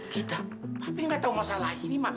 kita mami tidak tahu masalah ini mami